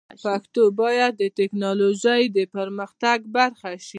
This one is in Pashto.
پښتو باید د ټکنالوژۍ د پرمختګ برخه شي.